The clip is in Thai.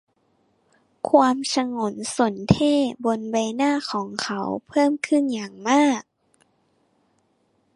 ความฉงนสนเท่ห์บนใบหน้าของเขาเพิ่มขึ้นอย่างมาก